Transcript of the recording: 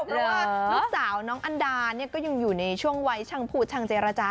เพราะว่าลูกสาวน้องอันดาเนี่ยก็ยังอยู่ในช่วงวัยช่างพูดช่างเจรจา